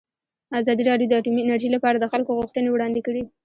ازادي راډیو د اټومي انرژي لپاره د خلکو غوښتنې وړاندې کړي.